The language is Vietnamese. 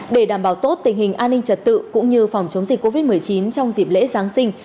để đảm bảo tốt tình hình an ninh trật tự cũng như phòng chống dịch covid một mươi chín trong dịp lễ giáng sinh